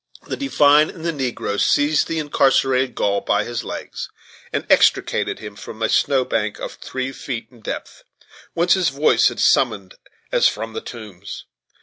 The divine and the negro seized the incarcerated Gaul by his legs and extricated him from a snow bank of three feet in depth, whence his voice had sounded as from the tombs.